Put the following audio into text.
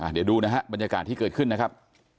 เดี๋ยวดูนะฮะบรรยากาศที่เกิดขึ้นนะครับ